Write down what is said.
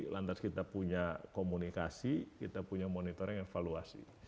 lantas kita punya komunikasi kita punya monitoring evaluasi